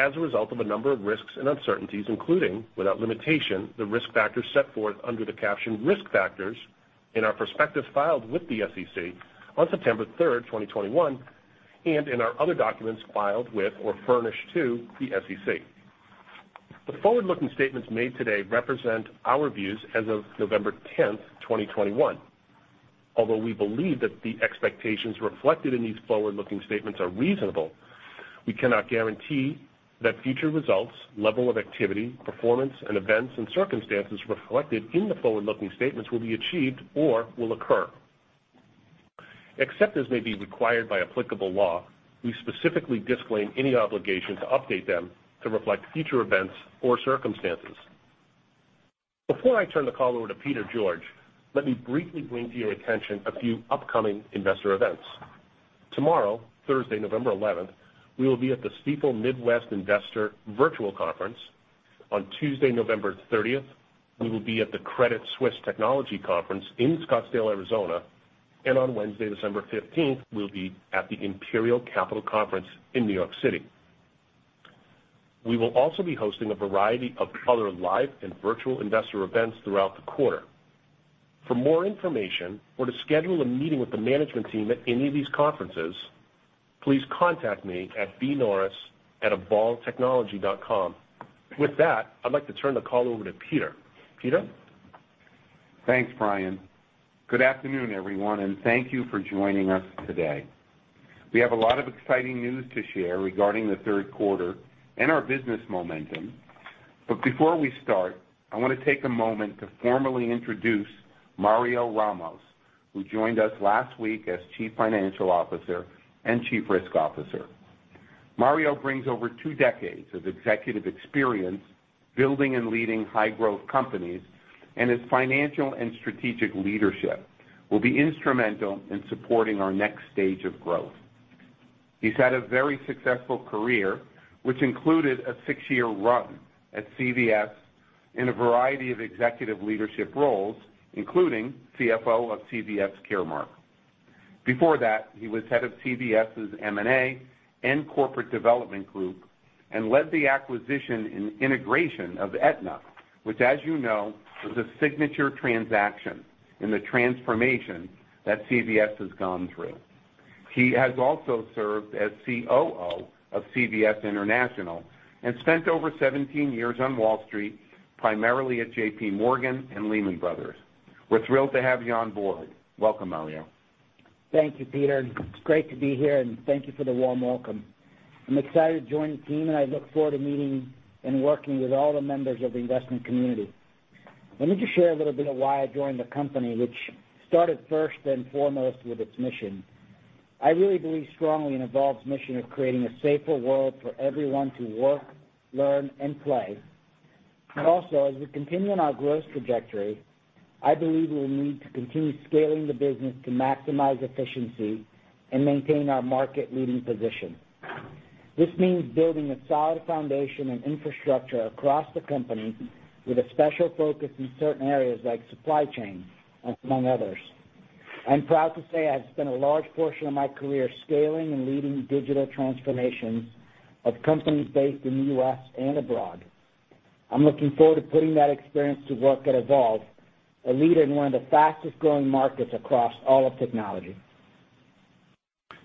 As a result of a number of risks and uncertainties, including, without limitation, the risk factors set forth under the caption Risk Factors in our prospectus filed with the SEC on September 3, 2021, and in our other documents filed with or furnished to the SEC. The forward-looking statements made today represent our views as of November 10, 2021. Although we believe that the expectations reflected in these forward-looking statements are reasonable, we cannot guarantee that future results, level of activity, performance, and events and circumstances reflected in the forward-looking statements will be achieved or will occur. Except as may be required by applicable law, we specifically disclaim any obligation to update them to reflect future events or circumstances. Before I turn the call over to Peter George, let me briefly bring to your attention a few upcoming investor events. Tomorrow, Thursday, November eleventh, we will be at the Stifel Midwest Investor Virtual Conference. On Tuesday, November thirtieth, we will be at the Credit Suisse Technology Conference in Scottsdale, Arizona, and on Wednesday, December fifteenth, we'll be at the Imperial Capital Conference in New York City. We will also be hosting a variety of other live and virtual investor events throughout the quarter. For more information or to schedule a meeting with the management team at any of these conferences, please contact me at bnorris@evolvtechnology.com. With that, I'd like to turn the call over to Peter. Peter? Thanks, Brian. Good afternoon, everyone, and thank you for joining us today. We have a lot of exciting news to share regarding the third quarter and our business momentum. Before we start, I wanna take a moment to formally introduce Mario Ramos, who joined us last week as Chief Financial Officer and Chief Risk Officer. Mario brings over two decades of executive experience building and leading high-growth companies, and his financial and strategic leadership will be instrumental in supporting our next stage of growth. He's had a very successful career, which included a six-year run at CVS in a variety of executive leadership roles, including CFO of CVS Caremark. Before that, he was head of CVS' M&A and corporate development group and led the acquisition and integration of Aetna, which, as you know, was a signature transaction in the transformation that CVS has gone through. He has also served as COO of CVS International and spent over 17 years on Wall Street, primarily at JPMorgan and Lehman Brothers. We're thrilled to have you on board. Welcome, Mario. Thank you, Peter. It's great to be here, and thank you for the warm welcome. I'm excited to join the team, and I look forward to meeting and working with all the members of the investment community. Let me just share a little bit of why I joined the company, which started first and foremost with its mission. I really believe strongly in Evolv's mission of creating a safer world for everyone to work, learn, and play. As we continue on our growth trajectory, I believe we'll need to continue scaling the business to maximize efficiency and maintain our market-leading position. This means building a solid foundation and infrastructure across the company with a special focus in certain areas like supply chain, among others. I'm proud to say I've spent a large portion of my career scaling and leading digital transformations of companies based in the U.S. and abroad. I'm looking forward to putting that experience to work at Evolv, a leader in one of the fastest-growing markets across all of technology.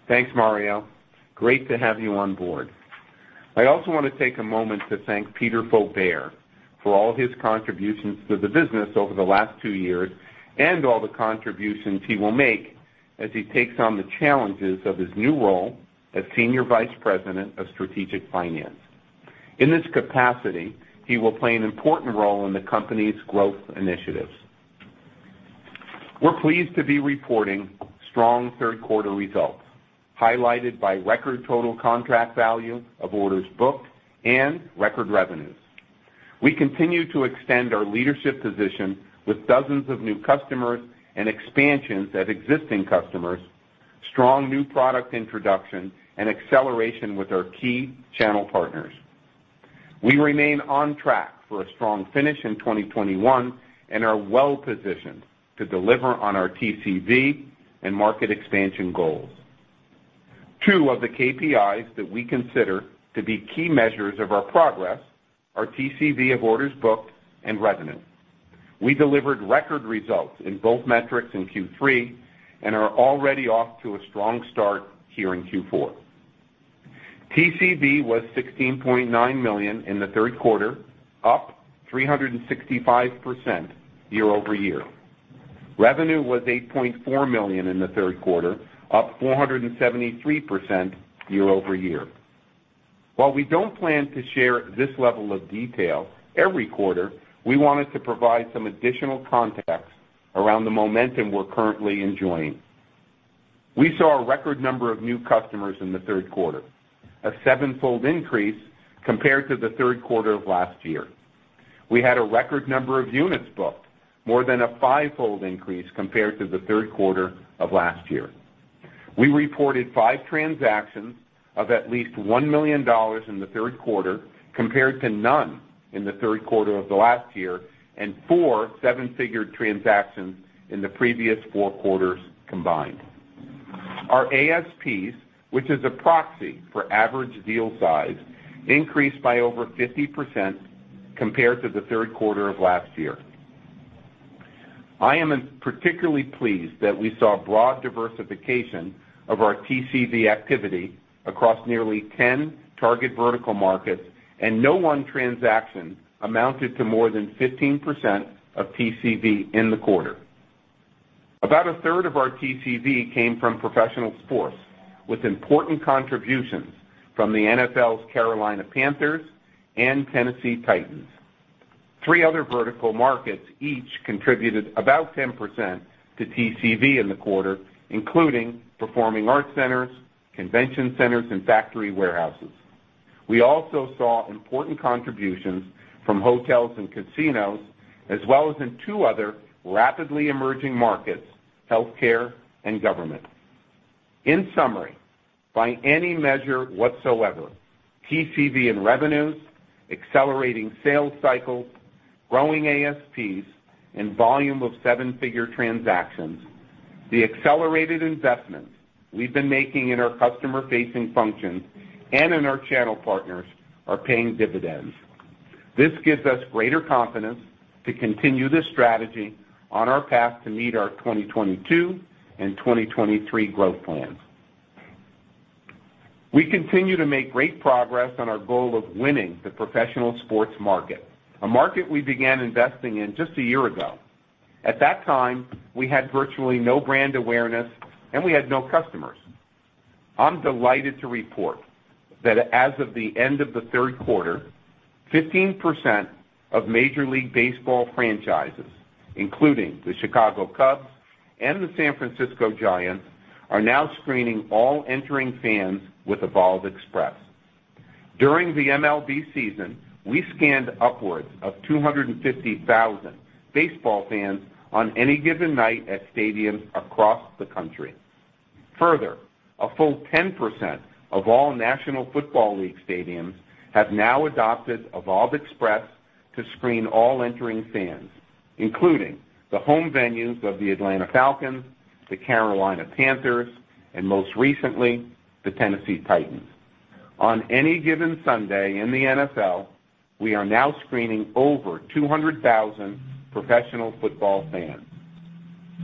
Thanks, Mario. Great to have you on board. I also wanna take a moment to thank Peter Faubert for all his contributions to the business over the last two years and all the contributions he will make as he takes on the challenges of his new role as Senior Vice President of Strategic Finance. In this capacity, he will play an important role in the company's growth initiatives. We're pleased to be reporting strong third quarter results, highlighted by record total contract value of orders booked and record revenues. We continue to extend our leadership position with dozens of new customers and expansions at existing customers, strong new product introduction, and acceleration with our key channel partners. We remain on track for a strong finish in 2021 and are well positioned to deliver on our TCV and market expansion goals. Two of the KPIs that we consider to be key measures of our progress are TCV of orders booked and revenue. We delivered record results in both metrics in Q3 and are already off to a strong start here in Q4. TCV was $16.9 million in the third quarter, up 365% year over year. Revenue was $8.4 million in the third quarter, up 473% year over year. While we don't plan to share this level of detail every quarter, we wanted to provide some additional context around the momentum we're currently enjoying. We saw a record number of new customers in the third quarter, a seven-fold increase compared to the third quarter of last year. We had a record number of units booked, more than a five-fold increase compared to the third quarter of last year. We reported five transactions of at least $1 million in the third quarter, compared to none in the third quarter of the last year, and four seven-figure transactions in the previous four quarters combined. Our ASPs, which is a proxy for average deal size, increased by over 50% compared to the third quarter of last year. I am particularly pleased that we saw broad diversification of our TCV activity across nearly 10 target vertical markets, and no one transaction amounted to more than 15% of TCV in the quarter. About a third of our TCV came from professional sports, with important contributions from the NFL's Carolina Panthers and Tennessee Titans. Three other vertical markets each contributed about 10% to TCV in the quarter, including performing arts centers, convention centers, and factory warehouses. We also saw important contributions from hotels and casinos, as well as in two other rapidly emerging markets, healthcare and government. In summary, by any measure whatsoever, TCV and revenues, accelerating sales cycles, growing ASPs, and volume of seven-figure transactions, the accelerated investment we've been making in our customer-facing functions and in our channel partners are paying dividends. This gives us greater confidence to continue this strategy on our path to meet our 2022 and 2023 growth plans. We continue to make great progress on our goal of winning the professional sports market, a market we began investing in just a year ago. At that time, we had virtually no brand awareness, and we had no customers. I'm delighted to report that as of the end of the third quarter, 15% of Major League Baseball franchises, including the Chicago Cubs and the San Francisco Giants, are now screening all entering fans with Evolv Express. During the MLB season, we scanned upwards of 250,000 baseball fans on any given night at stadiums across the country. Further, a full 10% of all National Football League stadiums have now adopted Evolv Express to screen all entering fans, including the home venues of the Atlanta Falcons, the Carolina Panthers, and most recently, the Tennessee Titans. On any given Sunday in the NFL, we are now screening over 200,000 professional football fans.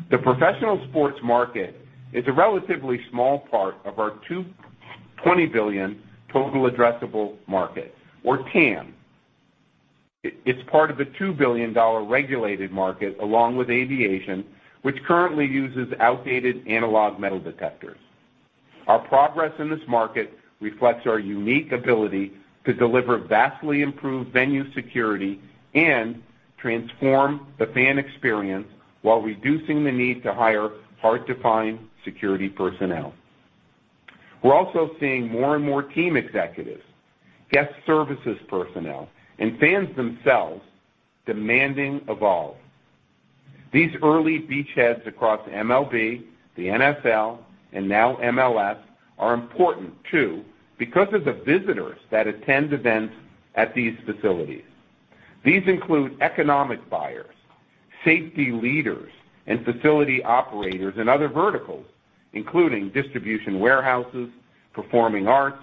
The professional sports market is a relatively small part of our $20 billion total addressable market, or TAM. It's part of a $2 billion regulated market, along with aviation, which currently uses outdated analog metal detectors. Our progress in this market reflects our unique ability to deliver vastly improved venue security and transform the fan experience while reducing the need to hire hard-to-find security personnel. We're also seeing more and more team executives, guest services personnel, and fans themselves demanding Evolv. These early beachheads across MLB, the NFL, and now MLS are important too, because of the visitors that attend events at these facilities. These include economic buyers, safety leaders, and facility operators in other verticals, including distribution warehouses, performing arts,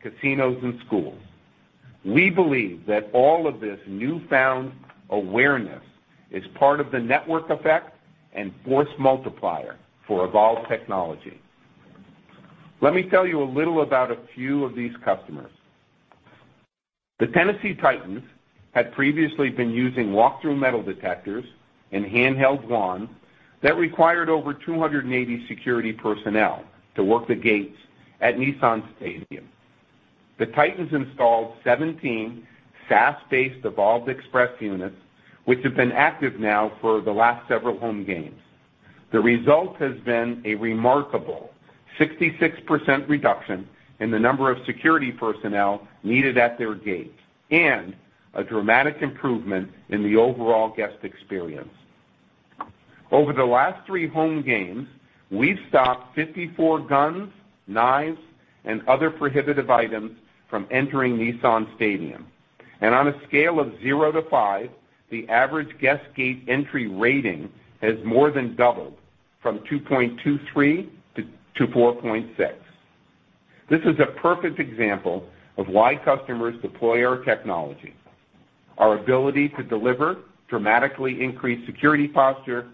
casinos, and schools. We believe that all of this newfound awareness is part of the network effect and force multiplier for Evolv Technology. Let me tell you a little about a few of these customers. The Tennessee Titans had previously been using walk-through metal detectors and handheld wands that required over 280 security personnel to work the gates at Nissan Stadium. The Titans installed 17 SaaS-based Evolv Express units, which have been active now for the last several home games. The result has been a remarkable 66% reduction in the number of security personnel needed at their gate and a dramatic improvement in the overall guest experience. Over the last three home games, we've stopped 54 guns, knives, and other prohibitive items from entering Nissan Stadium. On a scale of zero to five, the average guest gate entry rating has more than doubled from 2.23-4.6. This is a perfect example of why customers deploy our technology. Our ability to deliver dramatically increased security posture,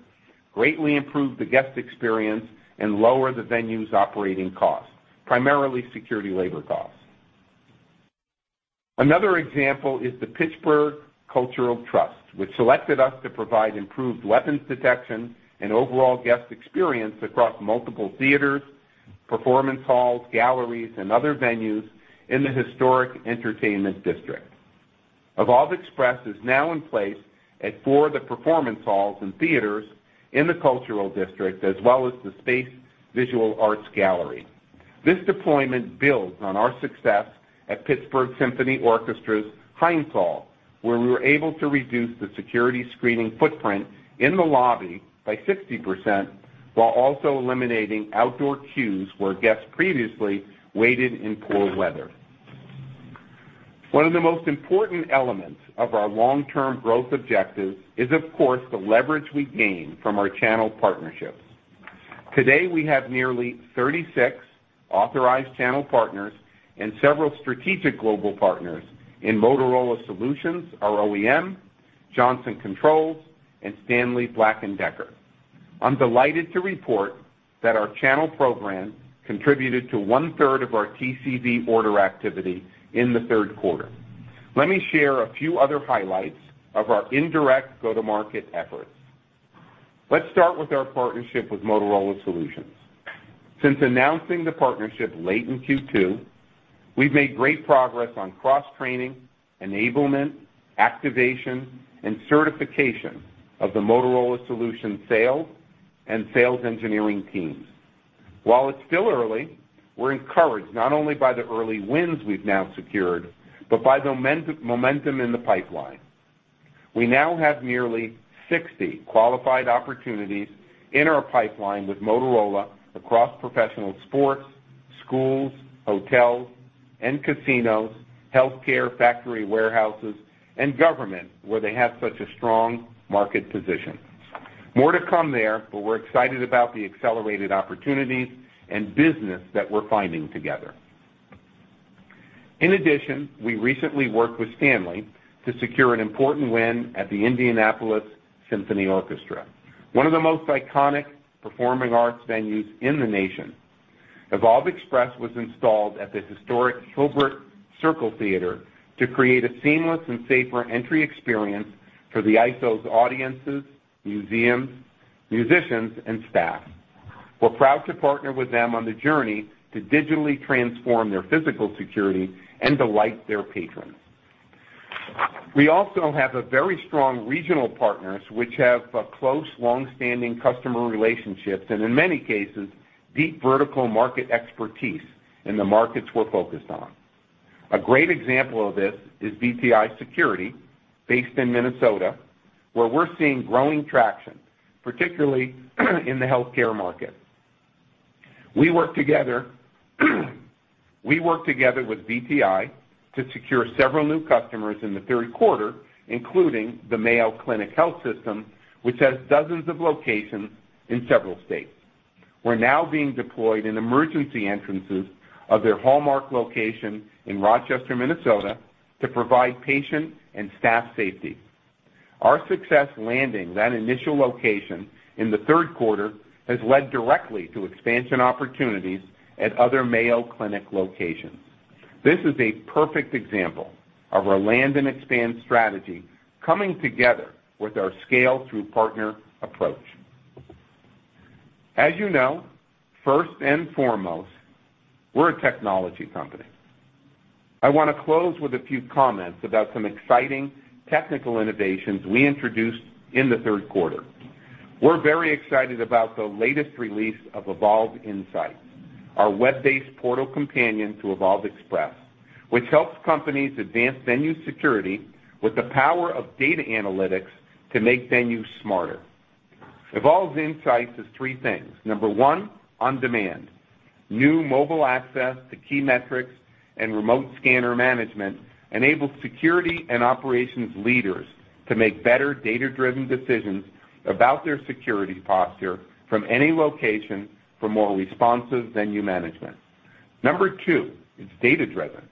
greatly improve the guest experience, and lower the venue's operating costs, primarily security labor costs. Another example is the Pittsburgh Cultural Trust, which selected us to provide improved weapons detection and overall guest experience across multiple theaters, performance halls, galleries, and other venues in the historic entertainment district. Evolv Express is now in place at four of the performance halls and theaters in the cultural district, as well as the SPACE Gallery. This deployment builds on our success at Pittsburgh Symphony Orchestra's Heinz Hall, where we were able to reduce the security screening footprint in the lobby by 60%, while also eliminating outdoor queues where guests previously waited in poor weather. One of the most important elements of our long-term growth objectives is, of course, the leverage we gain from our channel partnerships. Today, we have nearly 36 authorized channel partners and several strategic global partners in Motorola Solutions, our OEM, Johnson Controls, and Stanley Black & Decker. I'm delighted to report that our channel program contributed to one-third of our TCV order activity in the third quarter. Let me share a few other highlights of our indirect go-to-market efforts. Let's start with our partnership with Motorola Solutions. Since announcing the partnership late in Q2, we've made great progress on cross-training, enablement, activation, and certification of the Motorola Solutions sales and sales engineering teams. While it's still early, we're encouraged not only by the early wins we've now secured, but by the momentum in the pipeline. We now have nearly 60 qualified opportunities in our pipeline with Motorola across professional sports, schools, hotels and casinos, healthcare, factory warehouses, and government, where they have such a strong market position. More to come there, but we're excited about the accelerated opportunities and business that we're finding together. In addition, we recently worked with Stanley to secure an important win at the Indianapolis Symphony Orchestra, one of the most iconic performing arts venues in the nation. Evolv Express was installed at the historic Hilbert Circle Theatre to create a seamless and safer entry experience for the ISO's audiences, museums, musicians, and staff. We're proud to partner with them on the journey to digitally transform their physical security and delight their patrons. We also have a very strong regional partners which have close long-standing customer relationships, and in many cases, deep vertical market expertise in the markets we're focused on. A great example of this is BTI Security based in Minnesota, where we're seeing growing traction, particularly in the healthcare market. We work together with BTI to secure several new customers in the third quarter, including the Mayo Clinic Health System, which has dozens of locations in several states. We're now being deployed in emergency entrances of their hallmark location in Rochester, Minnesota, to provide patient and staff safety. Our success landing that initial location in the third quarter has led directly to expansion opportunities at other Mayo Clinic locations. This is a perfect example of our land and expand strategy coming together with our scale through partner approach. As you know, first and foremost, we're a technology company. I wanna close with a few comments about some exciting technical innovations we introduced in the third quarter. We're very excited about the latest release of Evolv Insights, our web-based portal companion to Evolv Express, which helps companies advance venue security with the power of data analytics to make venues smarter. Evolv Insights is three things. Number one, on-demand. New mobile access to key metrics and remote scanner management enables security and operations leaders to make better data-driven decisions about their security posture from any location for more responsive venue management. Number two, it's data-driven.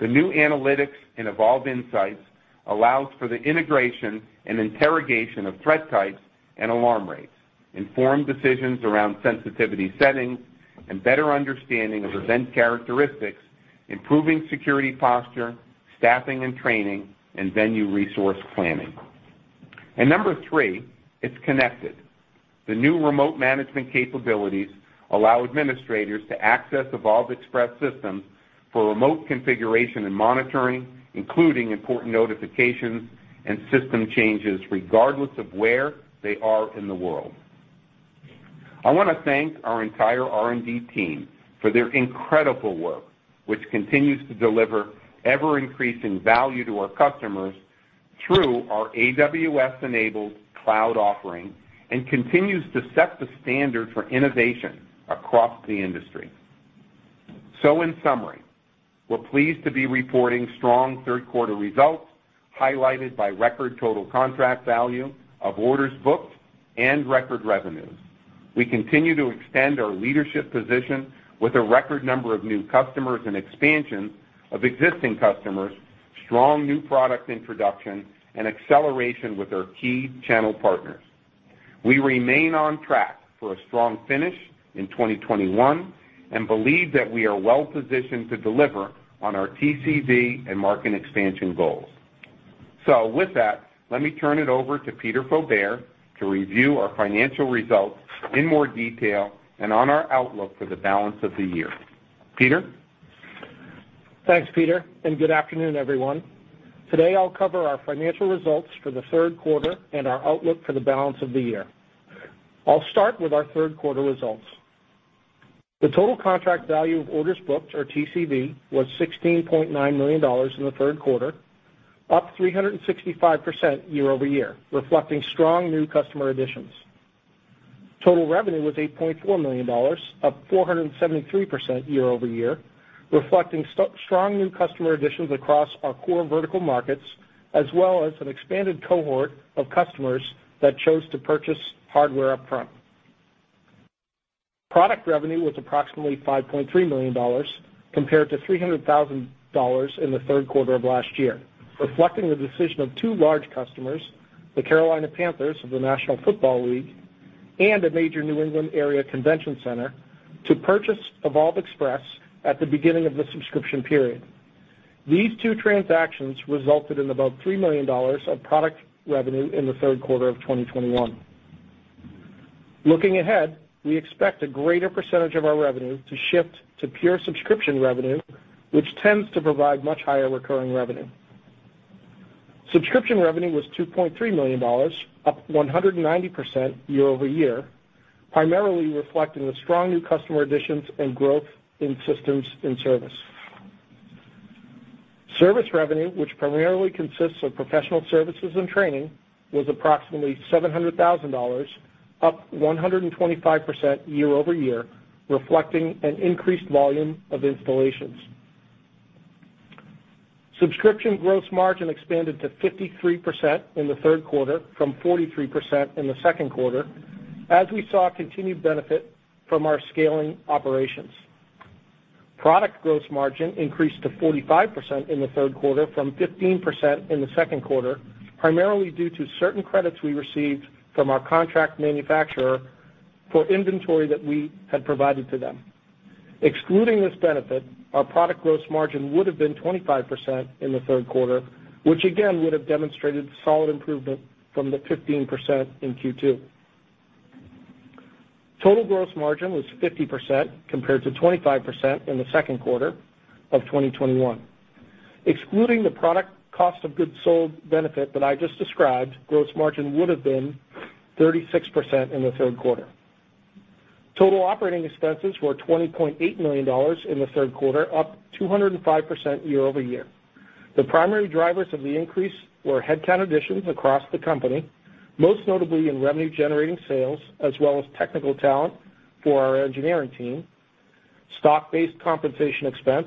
The new analytics in Evolv Insights allows for the integration and interrogation of threat types and alarm rates, informed decisions around sensitivity settings, and better understanding of event characteristics, improving security posture, staffing and training, and venue resource planning. Number three, it's connected. The new remote management capabilities allow administrators to access Evolv Express systems for remote configuration and monitoring, including important notifications and system changes regardless of where they are in the world. I wanna thank our entire R&D team for their incredible work, which continues to deliver ever-increasing value to our customers through our AWS-enabled cloud offering and continues to set the standard for innovation across the industry. In summary, we're pleased to be reporting strong third quarter results, highlighted by record total contract value of orders booked and record revenues. We continue to extend our leadership position with a record number of new customers and expansions of existing customers, strong new product introduction, and acceleration with our key channel partners. We remain on track for a strong finish in 2021 and believe that we are well-positioned to deliver on our TCV and market expansion goals. With that, let me turn it over to Peter Faubert to review our financial results in more detail and on our outlook for the balance of the year. Peter? Thanks, Peter, and good afternoon, everyone. Today, I'll cover our financial results for the third quarter and our outlook for the balance of the year. I'll start with our third quarter results. The total contract value of orders booked, or TCV, was $16.9 million in the third quarter, up 365% year-over-year, reflecting strong new customer additions. Total revenue was $8.4 million, up 473% year-over-year, reflecting strong new customer additions across our core vertical markets, as well as an expanded cohort of customers that chose to purchase hardware upfront. Product revenue was approximately $5.3 million compared to $300,000 in the third quarter of last year, reflecting the decision of two large customers, the Carolina Panthers of the National Football League, and a major New England area convention center, to purchase Evolv Express at the beginning of the subscription period. These two transactions resulted in about $3 million of product revenue in the third quarter of 2021. Looking ahead, we expect a greater percentage of our revenue to shift to pure subscription revenue, which tends to provide much higher recurring revenue. Subscription revenue was $2.3 million, up 190% year-over-year, primarily reflecting the strong new customer additions and growth in systems and service. Service revenue, which primarily consists of professional services and training, was approximately $700,000, up 125% year-over-year, reflecting an increased volume of installations. Subscription gross margin expanded to 53% in the third quarter from 43% in the second quarter, as we saw continued benefit from our scaling operations. Product gross margin increased to 45% in the third quarter from 15% in the second quarter, primarily due to certain credits we received from our contract manufacturer for inventory that we had provided to them. Excluding this benefit, our product gross margin would have been 25% in the third quarter, which again would have demonstrated solid improvement from the 15% in Q2. Total gross margin was 50% compared to 25% in the second quarter of 2021. Excluding the product cost of goods sold benefit that I just described, gross margin would have been 36% in the third quarter. Total operating expenses were $20.8 million in the third quarter, up 205% year-over-year. The primary drivers of the increase were headcount additions across the company, most notably in revenue-generating sales, as well as technical talent for our engineering team, stock-based compensation expense,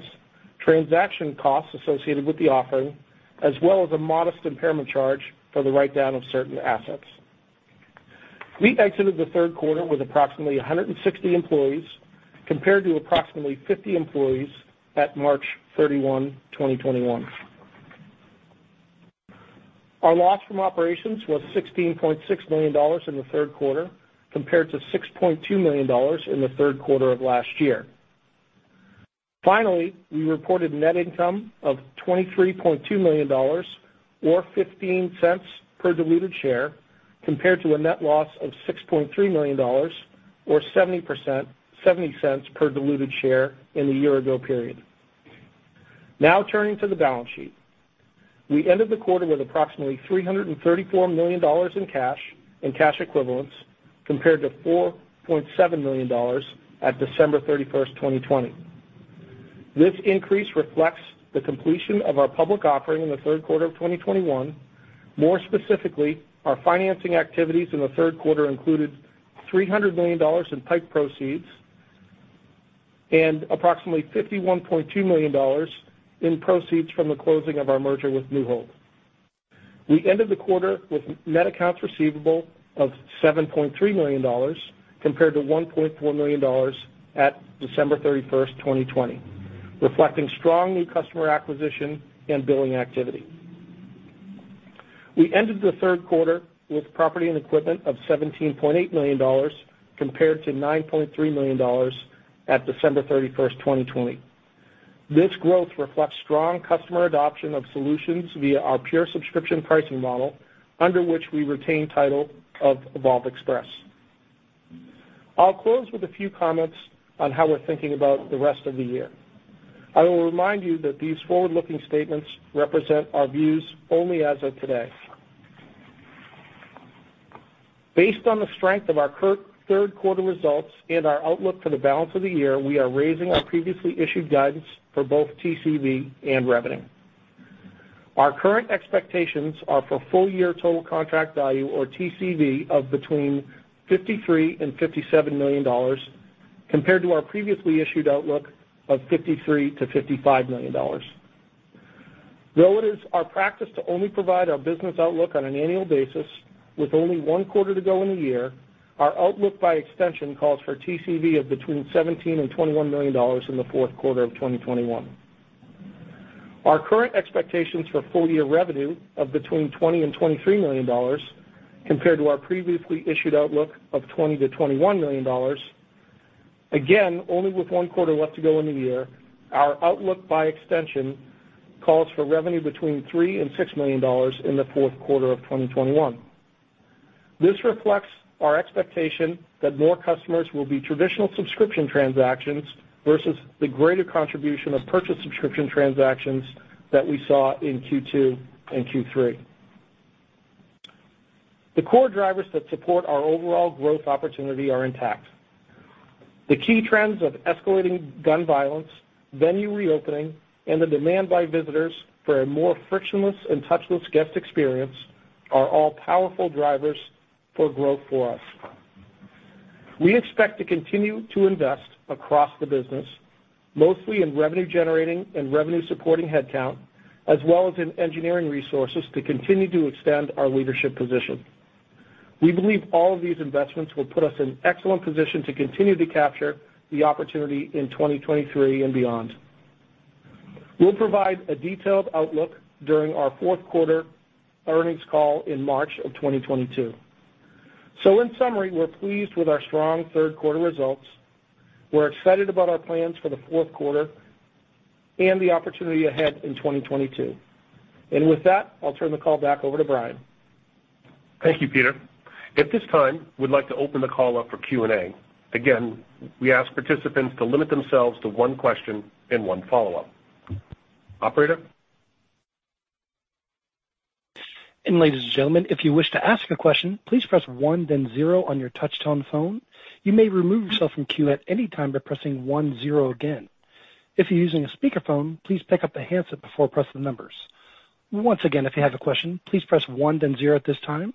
transaction costs associated with the offering, as well as a modest impairment charge for the write-down of certain assets. We exited the third quarter with approximately 160 employees, compared to approximately 50 employees at March 31, 2021. Our loss from operations was $16.6 million in the third quarter compared to $6.2 million in the third quarter of last year. Finally, we reported net income of $23.2 million or $0.15 per diluted share, compared to a net loss of $6.3 million or $0.70 Per diluted share in the year ago period. Now, turning to the balance sheet. We ended the quarter with approximately $334 million in cash and cash equivalents compared to $4.7 million at December 31, 2020. This increase reflects the completion of our public offering in the third quarter of 2021. More specifically, our financing activities in the third quarter included $300 million in PIPE proceeds and approximately $51.2 million in proceeds from the closing of our merger with NewHold. We ended the quarter with net accounts receivable of $7.3 million compared to $1.4 million at December 31, 2020, reflecting strong new customer acquisition and billing activity. We ended the third quarter with property and equipment of $17.8 million compared to $9.3 million at December 31, 2020. This growth reflects strong customer adoption of solutions via our pure subscription pricing model under which we retain title of Evolv Express. I'll close with a few comments on how we're thinking about the rest of the year. I will remind you that these forward-looking statements represent our views only as of today. Based on the strength of our third quarter results and our outlook for the balance of the year, we are raising our previously issued guidance for both TCV and revenue. Our current expectations are for full year total contract value or TCV of between $53 million-$57 million compared to our previously issued outlook of $53 million-$55 million. Though it is our practice to only provide our business outlook on an annual basis with only one quarter to go in the year, our outlook by extension, calls for TCV of between $17 million-$21 million in the fourth quarter of 2021. Our current expectations are for full year revenue of between $20 million-$23 million compared to our previously issued outlook of $20 million-$21 million. Again, only with one quarter left to go in the year, our outlook by extension, calls for revenue between $3 million-$6 million in the fourth quarter of 2021. This reflects our expectation that more customers will be traditional subscription transactions versus the greater contribution of purchase subscription transactions that we saw in Q2 and Q3. The core drivers that support our overall growth opportunity are intact. The key trends of escalating gun violence, venue reopening, and the demand by visitors for a more frictionless and touchless guest experience are all powerful drivers for growth for us. We expect to continue to invest across the business, mostly in revenue generating and revenue supporting headcount, as well as in engineering resources to continue to extend our leadership position. We believe all of these investments will put us in excellent position to continue to capture the opportunity in 2023 and beyond. We'll provide a detailed outlook during our fourth quarter earnings call in March of 2022. In summary, we're pleased with our strong third quarter results. We're excited about our plans for the fourth quarter and the opportunity ahead in 2022. With that, I'll turn the call back over to Brian. Thank you, Peter. At this time, we'd like to open the call up for Q&A. Again, we ask participants to limit themselves to one question and one follow-up. Operator? Ladies and gentlemen, if you wish to ask a question, please press one then zero on your touchtone phone. You may remove yourself from queue at any time by pressing one, zero again. If you're using a speakerphone, please pick up the handset before pressing the numbers. Once again, if you have a question, please press one then zero at this time.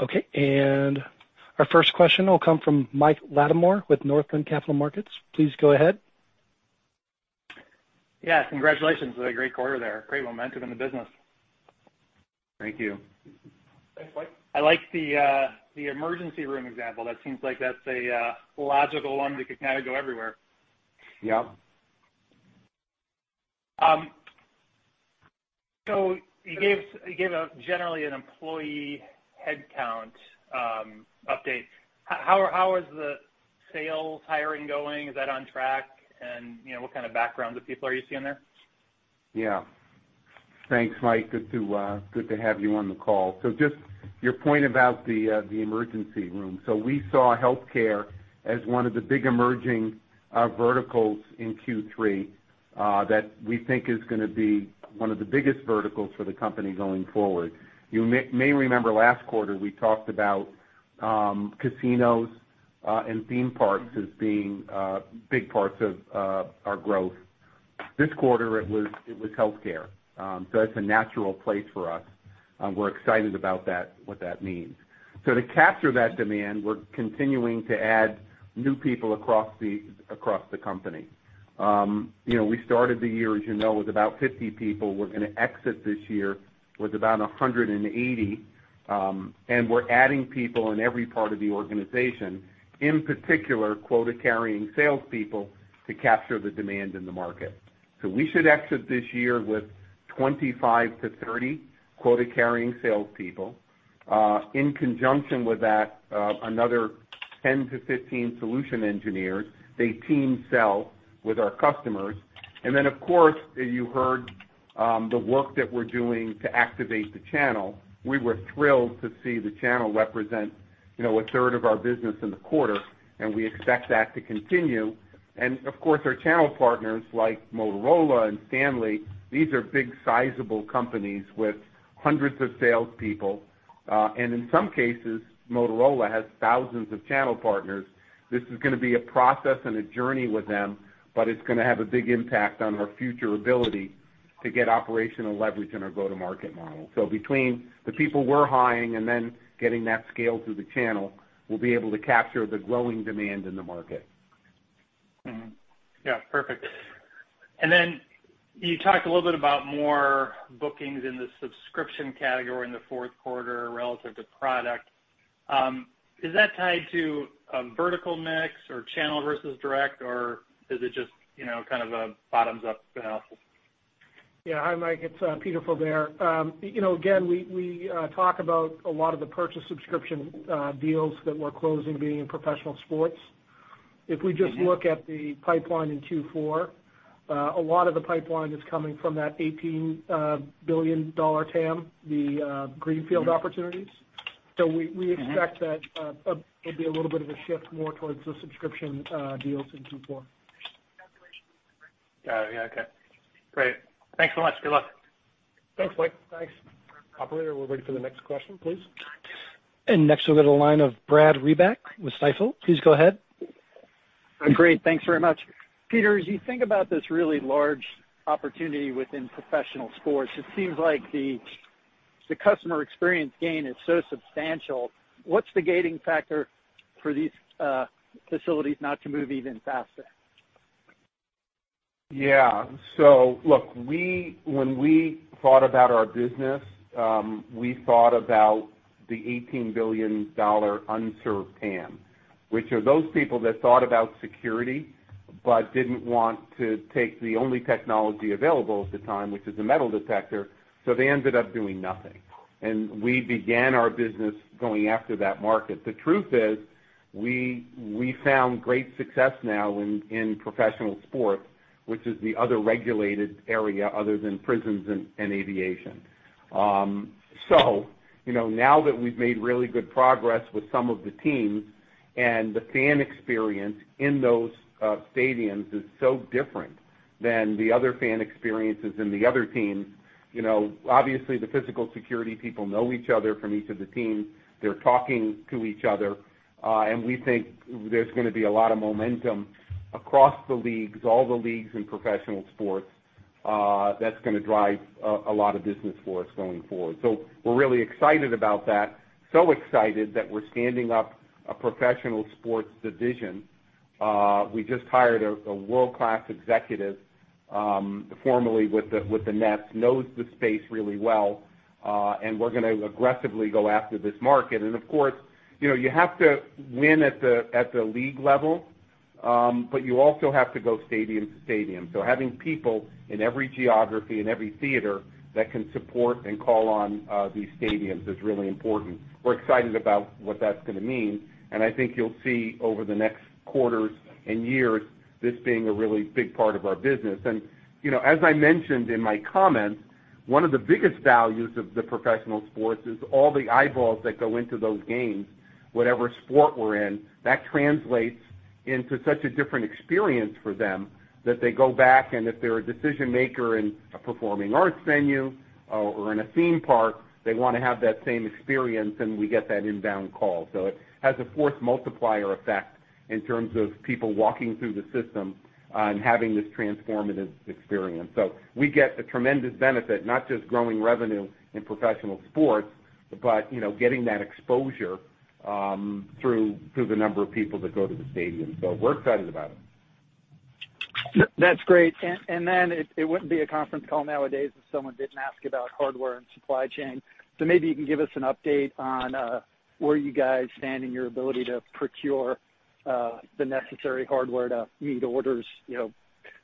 Okay, and our first question will come from Mike Latimore with Northland Capital Markets. Please go ahead. Yeah, congratulations on a great quarter there. Great momentum in the business. Thank you. Thanks, Mike. I like the emergency room example. That seems like that's a logical one that could kinda go everywhere. Yep. You gave a general employee headcount update. How is the sales hiring going? Is that on track? You know, what kind of backgrounds of people are you seeing there? Yeah. Thanks, Mike. Good to have you on the call. Just your point about the emergency room. We saw healthcare as one of the big emerging verticals in Q3 that we think is gonna be one of the biggest verticals for the company going forward. You may remember last quarter, we talked about casinos and theme parks as being big parts of our growth. This quarter, it was healthcare. That's a natural place for us. We're excited about that, what that means. To capture that demand, we're continuing to add new people across the company. You know, we started the year, as you know, with about 50 people. We're gonna exit this year with about 180, and we're adding people in every part of the organization, in particular, quota-carrying salespeople to capture the demand in the market. We should exit this year with 25-30 quota-carrying salespeople. In conjunction with that, another 10-15 solution engineers. They team sell with our customers. Of course, you heard the work that we're doing to activate the channel. We were thrilled to see the channel represent, you know, 1/3 of our business in the quarter, and we expect that to continue. Of course, our channel partners like Motorola and Stanley, these are big sizable companies with hundreds of salespeople. In some cases, Motorola has thousands of channel partners. This is gonna be a process and a journey with them, but it's gonna have a big impact on our future ability to get operational leverage in our go-to-market model, between the people we're hiring and then getting that scale through the channel, we'll be able to capture the growing demand in the market. Mm-hmm. Yeah, perfect. You talked a little bit about more bookings in the subscription category in the fourth quarter relative to product. Is that tied to a vertical mix or channel versus direct, or is it just, you know, kind of a bottoms up analysis? Yeah. Hi, Mike, it's Peter Faubert. You know, again, we talk about a lot of the purchase and subscription deals that we're closing being in professional sports. If we just look at the pipeline in Q4, a lot of the pipeline is coming from that $18 billion TAM, the greenfield opportunities. We expect that it'd be a little bit of a shift more towards the subscription deals in Q4. Got it. Yeah. Okay. Great. Thanks so much. Good luck. Thanks, Mike. Thanks. Operator, we're ready for the next question, please. Next we've got a line of Brad Reback with Stifel. Please go ahead. Great. Thanks very much. Peter, as you think about this really large opportunity within professional sports, it seems like the customer experience gain is so substantial. What's the gating factor for these facilities not to move even faster? Yeah. Look, when we thought about our business, we thought about the $18 billion unserved TAM, which are those people that thought about security but didn't want to take the only technology available at the time, which is a metal detector, so they ended up doing nothing. We began our business going after that market. The truth is, we found great success now in professional sports, which is the other regulated area other than prisons and aviation. You know, now that we've made really good progress with some of the teams. The fan experience in those stadiums is so different than the other fan experiences in the other teams. You know, obviously the physical security people know each other from each of the teams. They're talking to each other. We think there's gonna be a lot of momentum across the leagues, all the leagues in professional sports, that's gonna drive a lot of business for us going forward. We're really excited about that. Excited that we're standing up a professional sports division. We just hired a world-class executive, formerly with the Nets, knows the space really well. We're gonna aggressively go after this market. Of course, you know, you have to win at the league level, but you also have to go stadium to stadium. Having people in every geography and every theater that can support and call on these stadiums is really important. We're excited about what that's gonna mean, and I think you'll see over the next quarters and years this being a really big part of our business. You know, as I mentioned in my comments, one of the biggest values of the professional sports is all the eyeballs that go into those games, whatever sport we're in, that translates into such a different experience for them that they go back, and if they're a decision-maker in a performing arts venue or in a theme park, they wanna have that same experience, and we get that inbound call. It has a force multiplier effect in terms of people walking through the system, and having this transformative experience. We get a tremendous benefit, not just growing revenue in professional sports, but, you know, getting that exposure, through the number of people that go to the stadium. We're excited about it. That's great. Then it wouldn't be a conference call nowadays if someone didn't ask about hardware and supply chain. Maybe you can give us an update on where you guys stand in your ability to procure the necessary hardware to meet orders, you know,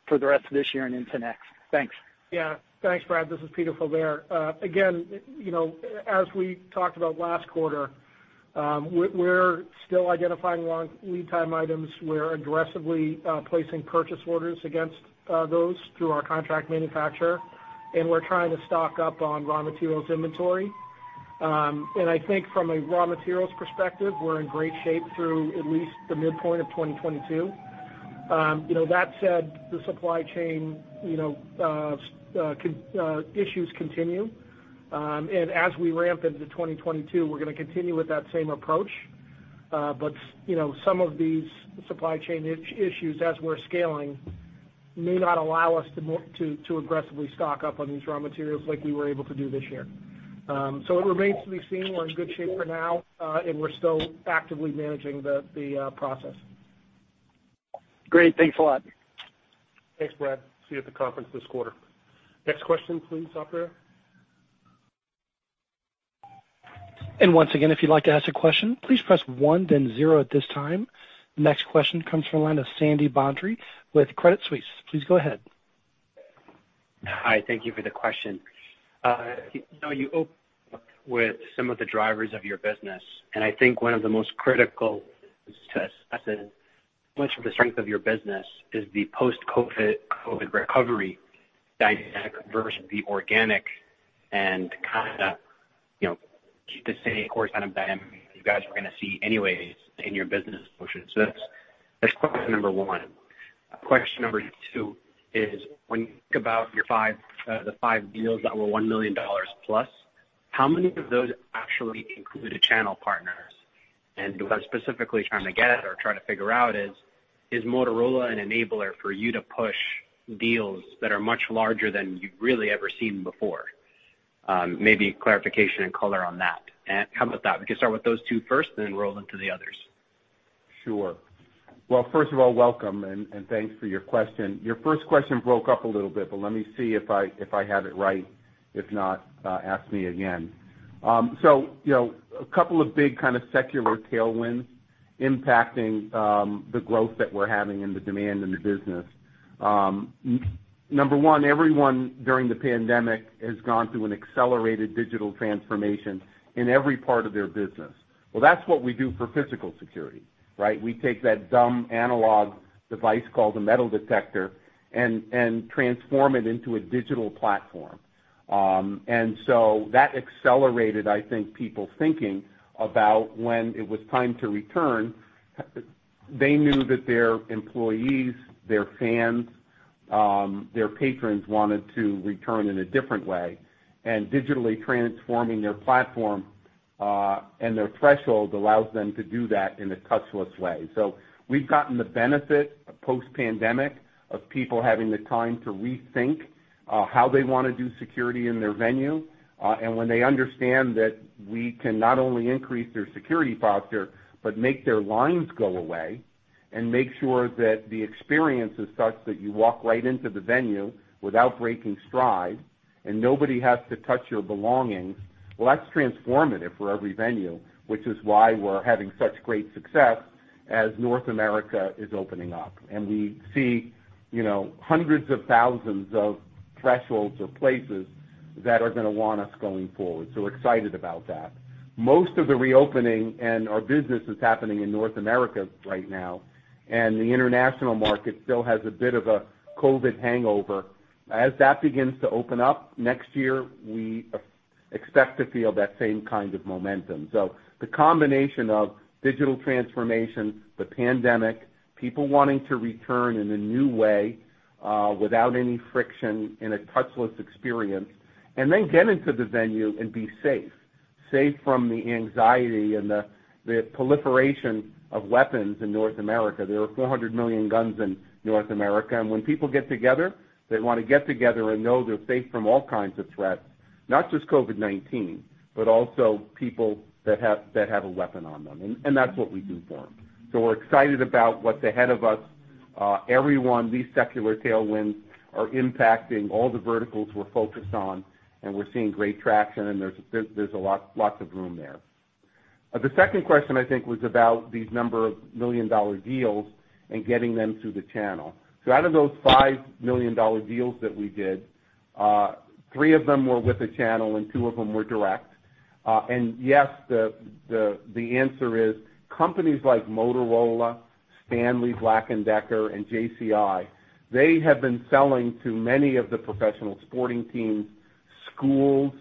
for the rest of this year and into next. Thanks. Yeah. Thanks, Brad. This is Peter Faubert. Again, you know, as we talked about last quarter, we're still identifying long lead time items. We're aggressively placing purchase orders against those through our contract manufacturer, and we're trying to stock up on raw materials inventory. I think from a raw materials perspective, we're in great shape through at least the midpoint of 2022. You know, that said, the supply chain, you know, issues continue. As we ramp into 2022, we're gonna continue with that same approach. You know, some of these supply chain issues as we're scaling may not allow us to aggressively stock up on these raw materials like we were able to do this year. It remains to be seen. We're in good shape for now, and we're still actively managing the process. Great. Thanks a lot. Thanks, Brad. See you at the conference this quarter. Next question, please, operator. Once again, if you'd like to ask a question, please press one then zero at this time. Next question comes from the line of Sami Badri with Credit Suisse. Please go ahead. Hi, thank you for the question. You know, you opened with some of the drivers of your business, and I think one of the most critical success, I said, much of the strength of your business is the post-COVID, COVID recovery dynamic versus the organic and kinda, you know, keep the same course kind of dynamic you guys are gonna see anyways in your business motion. That's question number one. Question number two is, when you think about your five, the five deals that were $1 million plus, how many of those actually included channel partners, and what I'm specifically trying to get at or trying to figure out is Motorola an enabler for you to push deals that are much larger than you've really ever seen before? Maybe clarification and color on that. How about that? We can start with those two first, then roll into the others. Sure. Well, first of all, welcome and thanks for your question. Your first question broke up a little bit, but let me see if I have it right. If not, ask me again. So, you know, a couple of big kind of secular tailwinds impacting the growth that we're having and the demand in the business. Number one, everyone during the pandemic has gone through an accelerated digital transformation in every part of their business. Well, that's what we do for physical security, right? We take that dumb analog device called a metal detector and transform it into a digital platform. That accelerated, I think, people thinking about when it was time to return, they knew that their employees, their fans, their patrons wanted to return in a different way. Digitally transforming their platform, and their threshold allows them to do that in a touchless way. We've gotten the benefit post-pandemic of people having the time to rethink how they wanna do security in their venue. When they understand that we can not only increase their security posture, but make their lines go away and make sure that the experience is such that you walk right into the venue without breaking stride and nobody has to touch your belongings, well, that's transformative for every venue, which is why we're having such great success as North America is opening up. We see hundreds of thousands of thresholds or places that are gonna want us going forward. Excited about that. Most of the reopening and our business is happening in North America right now, and the international market still has a bit of a COVID hangover. As that begins to open up next year, we expect to feel that same kind of momentum. The combination of digital transformation, the pandemic, people wanting to return in a new way, without any friction in a touchless experience, and then get into the venue and be safe from the anxiety and the proliferation of weapons in North America. There are 400 million guns in North America, and when people get together, they wanna get together and know they're safe from all kinds of threats, not just COVID-19, but also people that have a weapon on them. And that's what we do for them. We're excited about what's ahead of us. Everyone, these secular tailwinds are impacting all the verticals we're focused on, and we're seeing great traction, and there's lots of room there. The second question, I think, was about these number of $1 million-dollar deals and getting them through the channel. Out of those five $1 million-dollar deals that we did, three of them were with the channel and two of them were direct. Yes, the answer is companies like Motorola, Stanley Black & Decker, and JCI. They have been selling to many of the professional sporting teams, schools,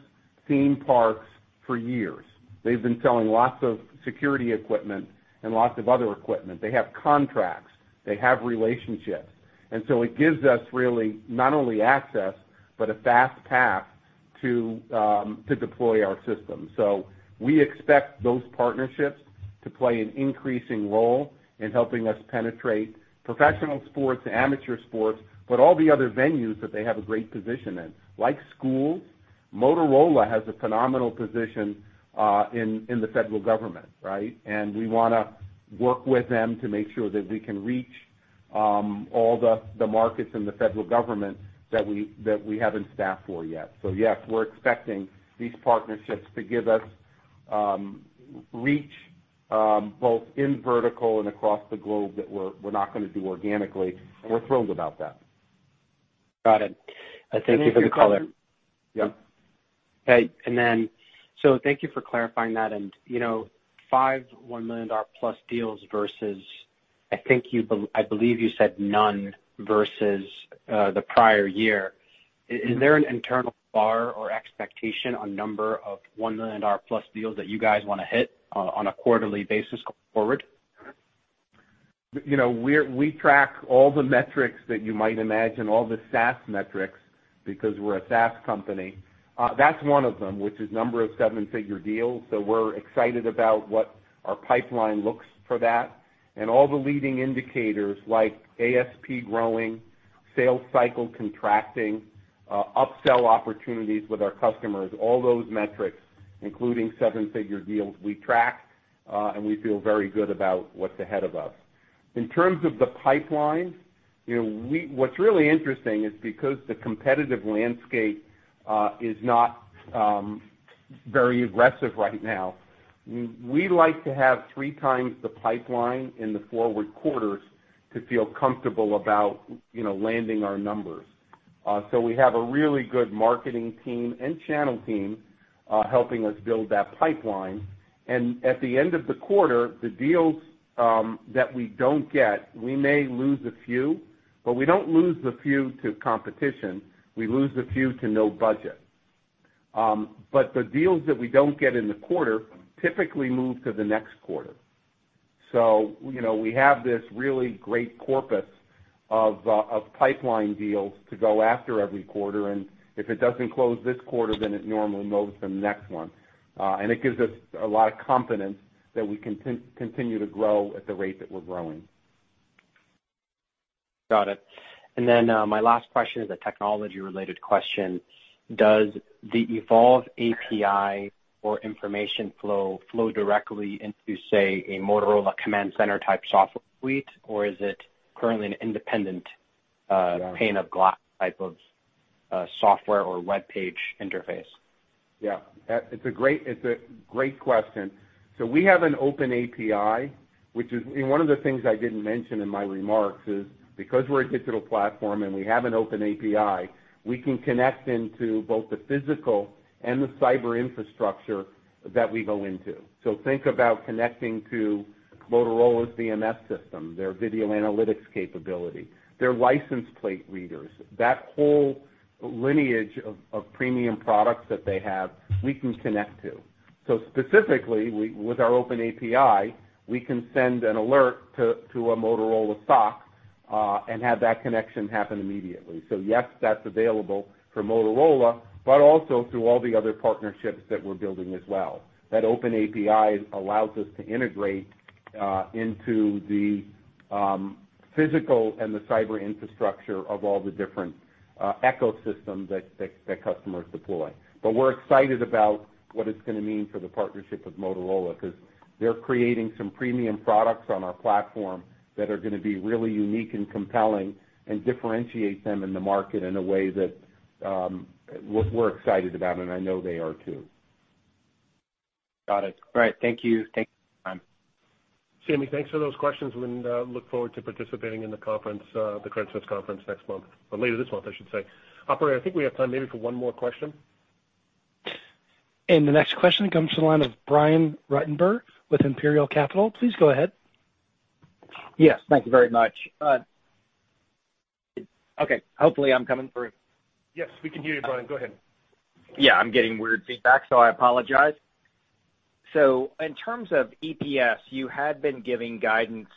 theme parks for years. They've been selling lots of security equipment and lots of other equipment. They have contracts, they have relationships. It gives us really not only access, but a fast path to deploy our system. We expect those partnerships to play an increasing role in helping us penetrate professional sports, amateur sports, but all the other venues that they have a great position in, like schools. Motorola has a phenomenal position in the federal government, right? We wanna work with them to make sure that we can reach all the markets in the federal government that we haven't staffed for yet. Yes, we're expecting these partnerships to give us reach both in vertical and across the globe that we're not gonna do organically, and we're thrilled about that. Got it. Thank you for the color. If you could. Yeah. Okay. Thank you for clarifying that. You know, five $1 million-plus deals versus, I believe you said none versus the prior year. Is there an internal bar or expectation on number of $1 million-plus deals that you guys wanna hit on a quarterly basis going forward? You know, we track all the metrics that you might imagine, all the SaaS metrics because we're a SaaS company. That's one of them, which is number of seven-figure deals. We're excited about what our pipeline looks like for that. All the leading indicators like ASP growing, sales cycle contracting, upsell opportunities with our customers, all those metrics, including seven-figure deals we track, and we feel very good about what's ahead of us. In terms of the pipeline, you know, what's really interesting is because the competitive landscape is not very aggressive right now, we like to have three times the pipeline in the forward quarters to feel comfortable about, you know, landing our numbers. We have a really good marketing team and channel team helping us build that pipeline. At the end of the quarter, the deals that we don't get, we may lose a few, but we don't lose the few to competition, we lose the few to no budget. The deals that we don't get in the quarter typically move to the next quarter. You know, we have this really great corpus of pipeline deals to go after every quarter, and if it doesn't close this quarter, then it normally moves to the next one. It gives us a lot of confidence that we can continue to grow at the rate that we're growing. Got it. My last question is a technology-related question. Does the Evolv API or information flow directly into, say, a Motorola command center type software suite, or is it currently an independent pane of glass type of software or webpage interface? It's a great question. We have an open API, which is one of the things I didn't mention in my remarks. Because we're a digital platform and we have an open API, we can connect into both the physical and the cyber infrastructure that we go into. Think about connecting to Motorola's DMS system, their video analytics capability, their license plate readers. That whole lineage of premium products that they have, we can connect to. Specifically, with our open API, we can send an alert to a Motorola SOC, and have that connection happen immediately. Yes, that's available for Motorola, but also through all the other partnerships that we're building as well. That open API allows us to integrate into the physical and the cyber infrastructure of all the different ecosystems that customers deploy. We're excited about what it's gonna mean for the partnership with Motorola because they're creating some premium products on our platform that are gonna be really unique and compelling and differentiate them in the market in a way that we're excited about, and I know they are too. Got it. All right. Thank you. Thanks for your time. Sami, thanks for those questions, and look forward to participating in the conference, the Credit Suisse conference next month or later this month, I should say. Operator, I think we have time maybe for one more question. The next question comes from the line of Brian Ruttenbur with Imperial Capital. Please go ahead. Yes. Thank you very much. Okay. Hopefully I'm coming through. Yes, we can hear you, Brian. Go ahead. Yeah, I'm getting weird feedback, so I apologize. In terms of EPS, you had been giving guidance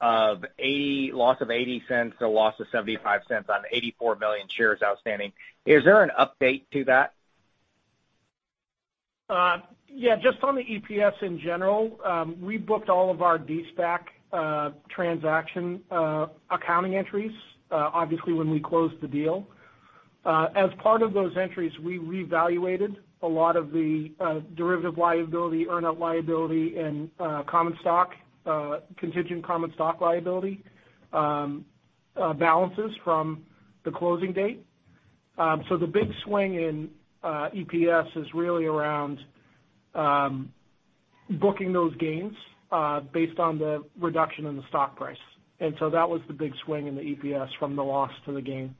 of a loss of $0.80 to a loss of $0.75 on 84 million shares outstanding. Is there an update to that? Yeah, just on the EPS in general, we booked all of our de-SPAC transaction accounting entries, obviously when we closed the deal. As part of those entries, we reevaluated a lot of the derivative liability, earn out liability and common stock contingent liability balances from the closing date. The big swing in EPS is really around booking those gains based on the reduction in the stock price. That was the big swing in the EPS from the loss to the gain.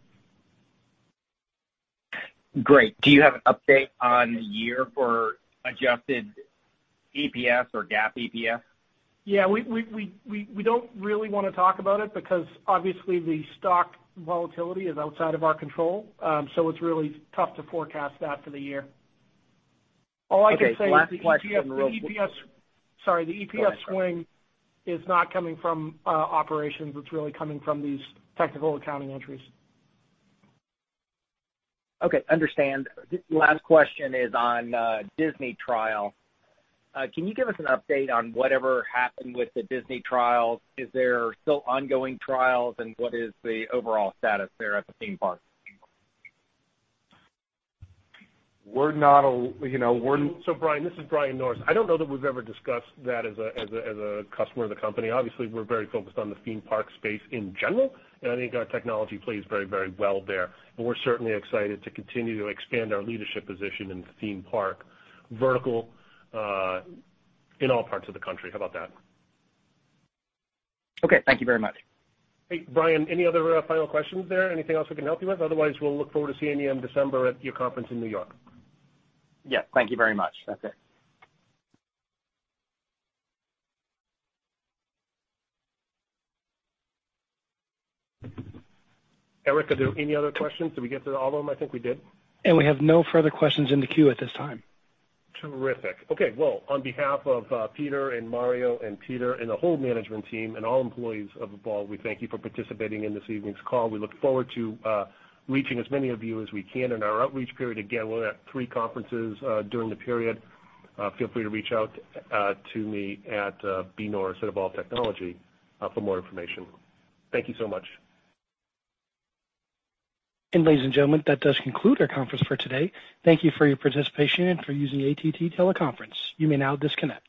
Great. Do you have an update on year for adjusted EPS or GAAP EPS? Yeah, we don't really wanna talk about it because obviously the stock volatility is outside of our control. It's really tough to forecast that for the year. All I can say is the EPS- Okay, last question. The EPS swing is not coming from operations. It's really coming from these technical accounting entries. Okay, understand. Last question is on Disney trial. Can you give us an update on whatever happened with the Disney trials? Is there still ongoing trials, and what is the overall status there at the theme parks? We're not a, you know. Brian, this is Brian Norris. I don't know that we've ever discussed that as a customer of the company. Obviously, we're very focused on the theme park space in general, and I think our technology plays very, very well there. We're certainly excited to continue to expand our leadership position in the theme park vertical in all parts of the country. How about that? Okay, thank you very much. Hey, Brian, any other final questions there? Anything else we can help you with? Otherwise, we'll look forward to seeing you in December at your conference in New York. Yeah. Thank you very much. That's it. Eric, are there any other questions? Did we get to all of them? I think we did. We have no further questions in the queue at this time. Terrific. Okay. Well, on behalf of Peter and Mario and Peter and the whole management team and all employees of Evolv, we thank you for participating in this evening's call. We look forward to reaching as many of you as we can in our outreach period. Again, we're at three conferences during the period. Feel free to reach out to me at bnorris@evolvtechnology for more information. Thank you so much. Ladies and gentlemen, that does conclude our conference for today. Thank you for your participation and for using AT&T Teleconference. You may now disconnect.